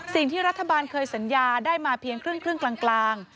สิ่งที่รัฐบาลเคยสัญญาได้มาเพียงครึ่งกลาง